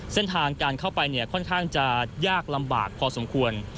เส้นทางการเข้าไปเนี่ยค่อนข้างจะยากลำบากพอสมควร